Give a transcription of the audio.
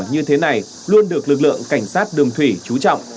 như thế này luôn được lực lượng cảnh sát đường thủy chú trọng